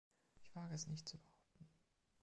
Ich wage es nicht zu behaupten.